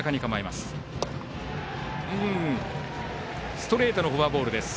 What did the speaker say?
ストレートのフォアボールです。